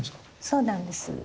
そうなんです。